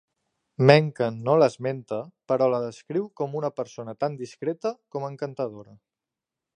Mencken no l'esmenta però la descriu com una persona tan discreta com encantadora.